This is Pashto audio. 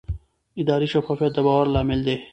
اداري شفافیت د باور لامل دی